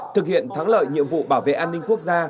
thực hiện thắng lợi nhiệm vụ bảo vệ an ninh quốc gia